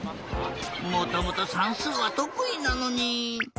もともとさんすうはとくいなのに。